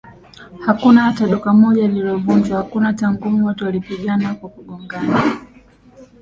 hakuna hata duka moja lililovujwa hakuna hata ngumi watu walipingana kwa kugogana